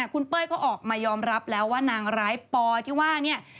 คุณเป้ยเขาออกมายอมรับแล้วว่านางร้ายปอที่ว่าเนี่ย